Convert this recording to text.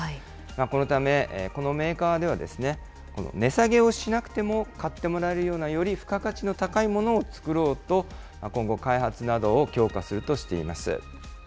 このため、このメーカーではですね、値下げをしなくても買ってもらえるような、より付加価値の高いものを作ろうと、今後、開発などを強化するとしています。